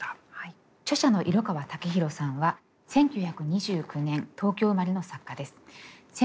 著者の色川武大さんは１９２９年東京生まれの作家です。